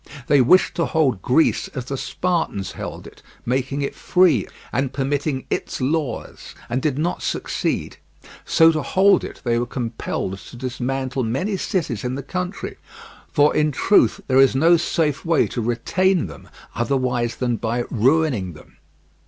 They wished to hold Greece as the Spartans held it, making it free and permitting its laws, and did not succeed. So to hold it they were compelled to dismantle many cities in the country, for in truth there is no safe way to retain them otherwise than by ruining them.